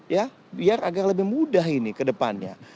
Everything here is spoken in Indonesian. ya biar agar lebih mudah ini kedepannya